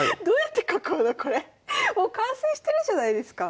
もう完成してるじゃないですか。